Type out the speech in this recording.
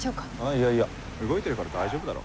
いやいや動いてるから大丈夫だろ。